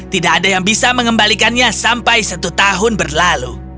tidak ada yang bisa mengembalikannya sampai satu tahun berlalu